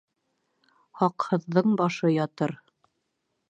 Һаҡһыҙҙың башы ятыр.